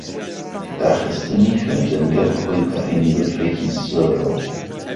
داخستنی خوێندنگە بەهۆی بارینی بەفرێکی زۆرەوە بوو.